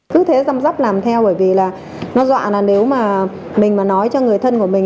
cứ thế chăm sóc làm theo bởi vì là nó dọa là nếu mà mình mà nói cho người thân của mình